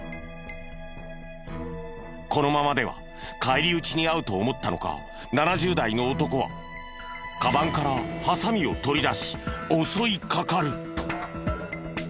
このままでは返り討ちに遭うと思ったのか７０代の男はかばんからハサミを取り出し襲いかかる。